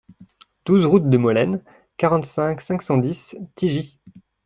douze route de Molaine, quarante-cinq, cinq cent dix, Tigy